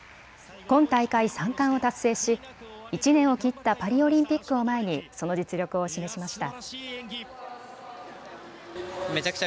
今大会３冠を達成し１年を切ったパリオリンピックを前にその実力を示しました。